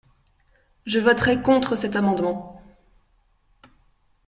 Je voterai contre cet amendement.